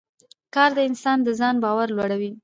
کار د انسان د ځان باور لوړوي